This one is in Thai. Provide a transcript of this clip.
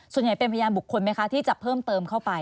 ส่วนใหญ่เป็นพยานบุคคลไหมคะที่จะเพิ่มเติมเข้าไป